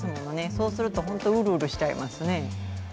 そうすると本当に、うるうるしちゃいますね。